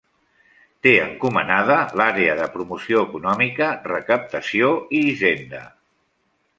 Té encomanada l'àrea de Promoció Econòmica, Recaptació i Hisenda.